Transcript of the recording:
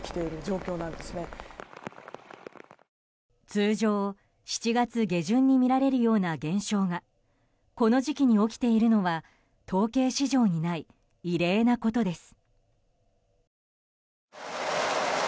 通常７月下旬にみられるような現象がこの時期に起きているのは統計史上にない異例なことです。